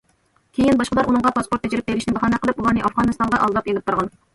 كېيىن باشقىلار ئۇنىڭغا پاسپورت بېجىرىپ بېرىشنى باھانە قىلىپ، ئۇلارنى ئافغانىستانغا ئالداپ ئېلىپ بارغان.